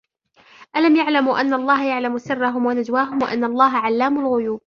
ألم يعلموا أن الله يعلم سرهم ونجواهم وأن الله علام الغيوب